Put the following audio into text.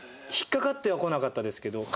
引っかかってはこなかったですけど。